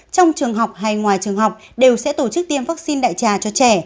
trong trường học hay ngoài trường học đều sẽ tổ chức tiêm vaccine đại trà cho trẻ